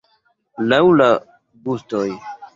Laŭ la gustoj.